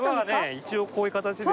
一応こういう形で。